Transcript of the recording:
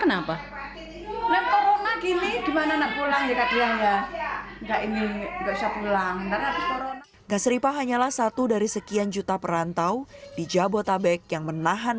ntar nanti korona gas ripah hanyalah satu dari sekian juta perantau di jabodetabek yang menahan